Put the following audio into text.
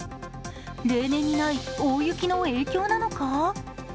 例年にない大雪の影響なのか？